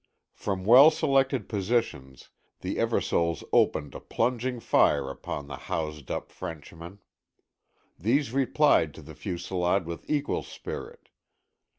From well selected positions the Eversoles opened a plunging fire upon the housed up French men. These replied to the fusilade with equal spirit.